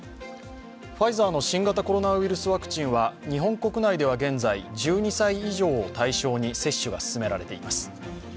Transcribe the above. ファイザーの新型コロナウイルスワクチンは日本国内では現在、１２歳以上を対象に接種が進められています。